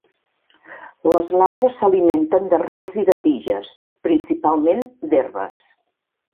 Les larves s'alimenten d'arrels i de tiges, principalment d'herbes.